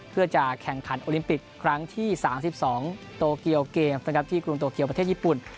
เพื่อจะแข่งขันโอลิมปิกครั้งที่๓๒โตเกียวเกมส์ที่กรุงโตเกียวประเทศญี่ปุ่น